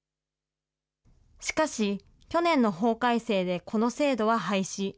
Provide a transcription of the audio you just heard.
しかし、去年の法改正でこの制度は廃止。